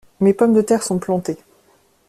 Mes pommes de terre sont plantées.